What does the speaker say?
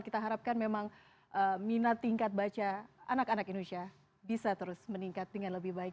kita harapkan memang minat tingkat baca anak anak indonesia bisa terus meningkat dengan lebih baik